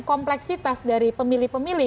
kompleksitas dari pemilih pemilih